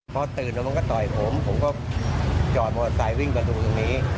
พอตื่นแล้วมันก็ต่อยผมผมก็จอดมอเตอร์ไซค์วิ่งประตูตรงนี้